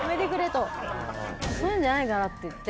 そういうんじゃないからって言って。